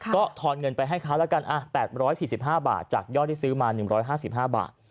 ก็ทอนเงินไปให้เขาแล้วกัน๘๔๕บาทจากยอดที่ซื้อมา๑๕๕บาท